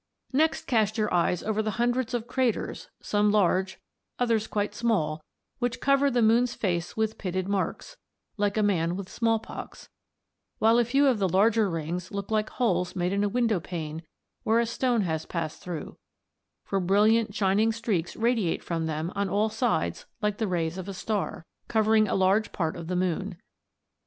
"Next cast your eye over the hundreds of craters, some large, others quite small, which cover the moon's face with pitted marks, like a man with small pox; while a few of the larger rings look like holes made in a window pane, where a stone has passed through, for brilliant shining streaks radiate from them on all sides like the rays of a star, covering a large part of the moon.